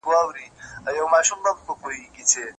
موږ به یې هېر کړو خو نه هیریږي